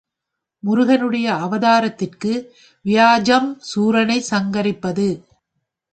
முருகனுடைய அவதாரத்திற்கு வியாஜம் சூரனைச் சங்கரிப்பது.